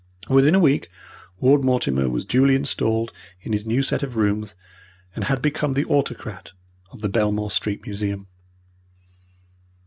Within a week, Ward Mortimer was duly installed in his new set of rooms, and had become the autocrat of the Belmore Street Museum.